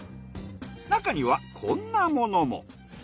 なかにはこんなものも。